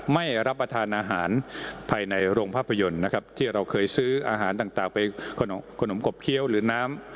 ไม่รับประทานอาหารภายในโรงภาพยนตร์นะครับที่เราเคยซื้ออาหารต่างไปขนมกบเคี้ยวหรือน้ำ